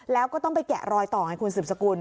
แล้วก็ต้องไปแกะรอยต่อไงคุณสืบสกุล